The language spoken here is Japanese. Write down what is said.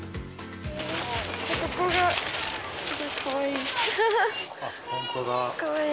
ここがすごいかわいい。